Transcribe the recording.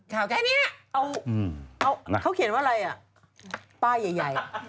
สาวแค่เนี้ยเอ้าเอาเขาเขียนว่าอะไรอ่ะป้ายใหญ่ใหญ่